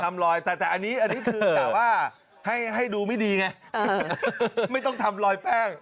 ทำลอยแต่อันนี้คือแต่ว่าให้ดูไม่ดีไงไม่ต้องทำลอยแป้ง